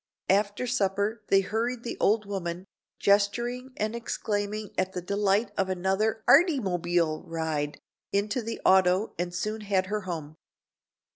After supper they hurried the old woman, gesturing and exclaiming at the delight of another "artymobile" ride, into the auto and soon had her home.